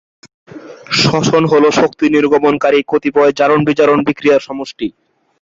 তিনি তার কর্মজীবনের একটি খুব প্রাথমিক পর্যায়ে টেলিভিশন অনুষ্ঠান দিয়ে শুরু করেন।